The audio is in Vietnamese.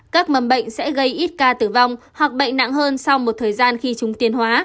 các mầm bệnh sẽ gây ít ca tử vong hoặc bệnh nặng hơn sau một thời gian khi chúng tiến hóa